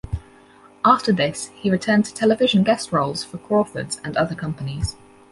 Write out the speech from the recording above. After this he returned to television guest roles for Crawfords, and other companies.